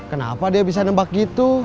kenapa dia bisa nembak gitu